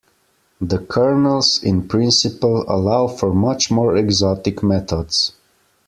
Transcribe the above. The kernels in principle allow for much more exotic methods.